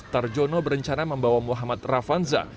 tarjono berencana membawa muhammad ravanza